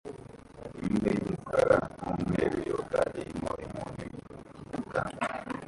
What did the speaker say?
Imbwa y'umukara n'umweru yoga irimo inkoni mu kanwa